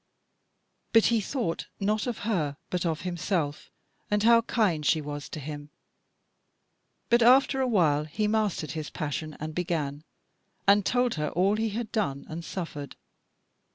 But he thought not of her, but of himself and how kind she was to him. But after a while he mastered his passion and began, and told her all he had done and suffered.